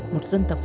một dân tộc